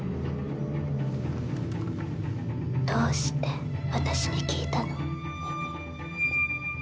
どうして私に聞いたの？